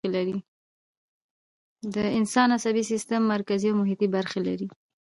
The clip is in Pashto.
د انسان عصبي سیستم مرکزي او محیطی برخې لري